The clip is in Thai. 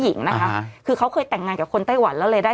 หญิงนะคะคือเขาเคยแต่งงานกับคนไต้หวันแล้วเลยได้